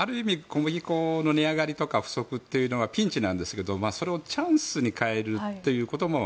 小麦粉の値上がりとか不足というのはピンチなんですけど、それをチャンスに変えるということも